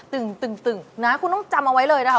ตึงนะคุณต้องจำเอาไว้เลยนะคะ